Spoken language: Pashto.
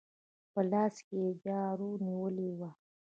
په لاس کې يې جارو نيولې وه.